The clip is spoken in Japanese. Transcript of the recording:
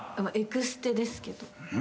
エクステですけど。